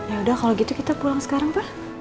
yaudah kalau gitu kita pulang sekarang pa